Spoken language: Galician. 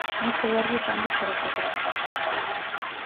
Un soberbio tanto para empatar.